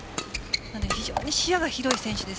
非常に視野が広い選手です。